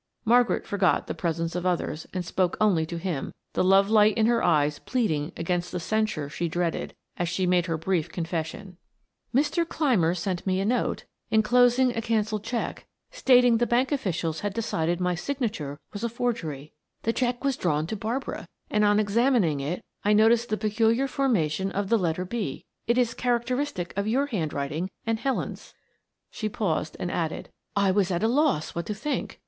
Margaret forgot the presence of others and spoke only to him, the love light in her eyes pleading against the censure she dreaded, as she made her brief confession. "Mr. Clymer sent me a note, inclosing a canceled check, stating the bank officials had decided my signature was a forgery. The check was drawn to Barbara, and on examining it I noticed the peculiar formation of the letter 'B'; it is characteristic of your handwriting and Helen's." She paused, and added: "I was at a loss what to think.